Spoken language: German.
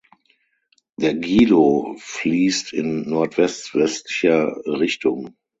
Der Gilo fließt in nordwest–westlicher Richtung.